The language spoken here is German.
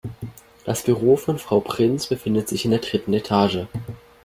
Das Büro von Frau Prinz befindet sich in der dritten Etage.